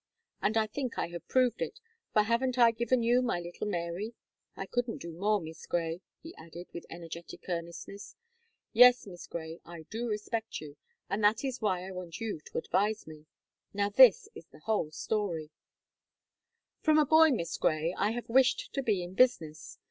And I think I have proved it; for haven't I given you my little Mary? I couldn't do more, Miss Gray," he added, with energetic earnestness. "Yes, Miss Gray, I do respect you; and that is why I want you to advise me. Now, this is the whole story: "From a boy, Miss Gray, I have wished to be in business.